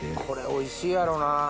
これおいしいやろな。